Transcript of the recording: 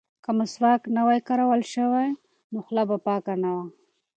که مسواک نه وای کارول شوی نو خوله به پاکه نه وه.